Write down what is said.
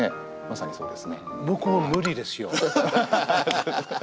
まさにそうですね。